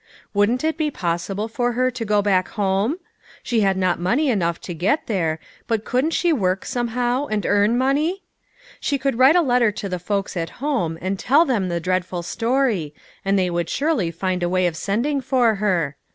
Wouldn't it be possible for her to go back home ? She had not money enough to get there, but couldn't she 63 64 LITTLE FISHERS : AJfD THEIK NETS. work somehow, and earn money? She could write a letter to the folks at home and tell them the dreadful story, and they would surely find a way of sending for her.